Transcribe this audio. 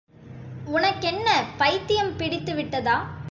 உனக்கென்ன பைத்தியம் பிடித்துவிட்டதா?